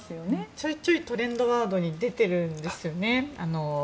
ちょいちょいトレンドワードに出てるんですよね。